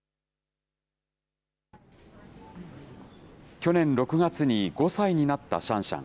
去年６月に５歳になったシャンシャン。